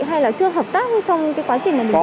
hay là chưa hợp tác trong quá trình điều trị